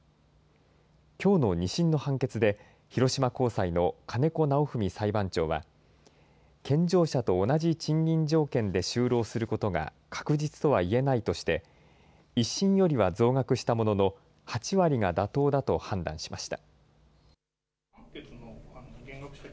きょうの２審の判決で、広島高裁の金子直史裁判長は、健常者と同じ賃金条件で就労することが確実とはいえないとして、１審よりは増額したものの、８割が妥当だと判断しました。